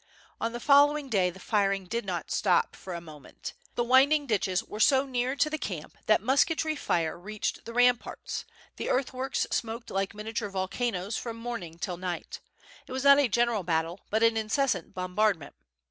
On the following day the firing did not stop for a moment. The winding ditches were so Lear to the camp that musketry fire reached the ramparts; the earthworks smoked like miniature volcanoes from morning till night. It was not a general battle but an incessant bombardment.